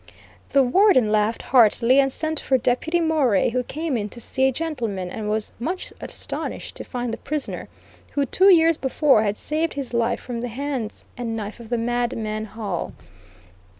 The Warden laughed heartily, and sent for Deputy Morey who came in to "see a gentleman," and was much astonished to find the prisoner, who, two years before, had saved his life from the hands and knife of the madman Hall.